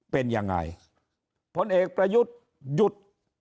เป็นยังไงผลเอกประยุทธ์หยุด